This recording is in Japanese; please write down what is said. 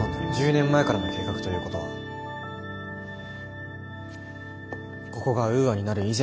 １０年前からの計画ということはここがウーアになる以前の計画です。